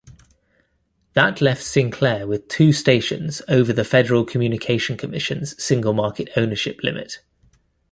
That left Sinclair with two stations over the Federal Communications Commission's single-market ownership limit.